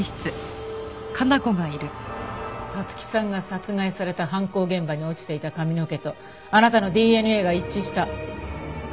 彩月さんが殺害された犯行現場に落ちていた髪の毛とあなたのＤＮＡが一致した。